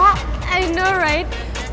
gue tau kan